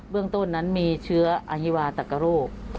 เบื้องต้นนั้นมีเชื้ออฮิวาตกลโลก